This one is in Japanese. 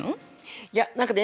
いや何かね